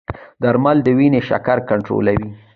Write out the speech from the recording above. درمل د وینې شکر کنټرولوي.